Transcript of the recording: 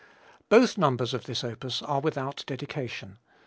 Both numbers of this opus are without dedication.